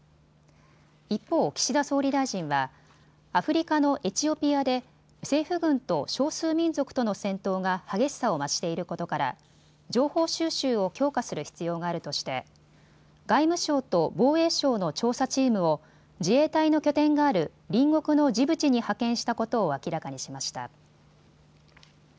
一方、岸田総理大臣はアフリカのエチオピアで政府軍と少数民族との戦闘が激しさを増していることから情報収集を強化する必要があるとして外務省と防衛省の調査チームを自衛隊の拠点がある隣国のジブチに派遣したことを明らかにしました。